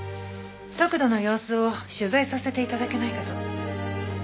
得度の様子を取材させて頂けないかと。